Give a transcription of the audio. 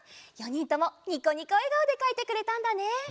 ４にんともニコニコえがおでかいてくれたんだね。